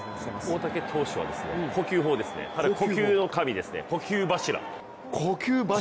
大竹投手は呼吸法ですね、彼は呼吸の神です、呼吸柱。